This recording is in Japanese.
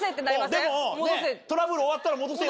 トラブル終わったら戻せよ。